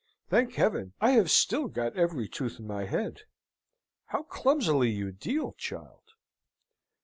Thank Heaven, I have still got every tooth in my head. How clumsily you deal, child!"